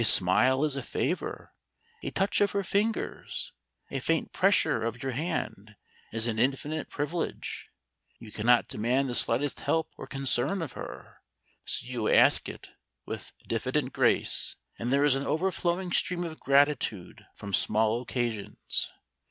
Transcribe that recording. A smile is a favour, a touch of her fingers, a faint pressure of your hand, is an infinite privilege. You cannot demand the slightest help or concern of her, so you ask it with diffident grace and there is an overflowing stream of gratitude from small occasions.